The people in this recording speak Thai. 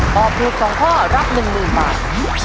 ตอบถูก๒ข้อรับ๑๐๐๐บาท